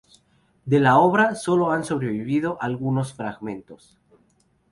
De la obra solo han sobrevivido algunos fragmentos.